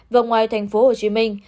và ngoài thành phố hồ chí minh